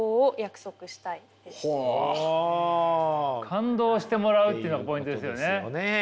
感動してもらうっていうのがポイントですよね。